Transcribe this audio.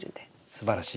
すばらしい。